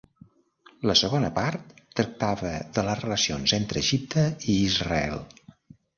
La segona part tractava de les relacions entre Egipte i Israel.